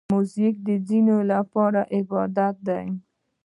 موزیک د ځینو لپاره عبادت دی.